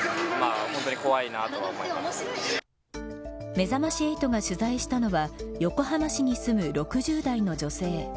めざまし８が取材したのは横浜市に住む６０代の女性。